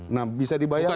nah bisa dibayangkan